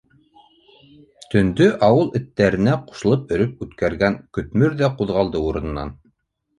Төндө ауыл эттәренә ҡушылып өрөп үткәргән Көтмөр ҙә ҡуҙғалды урынынан.